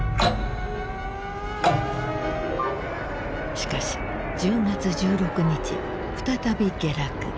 しかし１０月１６日再び下落。